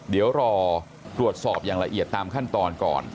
เดี๋ยวรอตรวจสอบอย่างละเอียดตามขั้นตอนก่อน